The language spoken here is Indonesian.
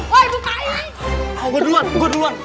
woi buka dulu tolong buka